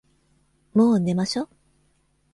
もう寝ましょ。